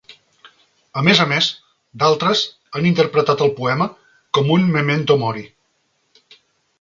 A més a més, d'altres han interpretat el poema com un Memento Mori.